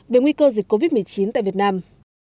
về nguy cơ dịch covid một mươi chín tại việt nam